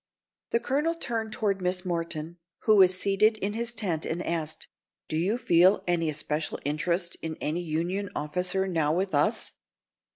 The colonel turned toward Miss Morton, who was seated in his tent, and asked: "Do you feel any especial interest in any Union officer now with us?"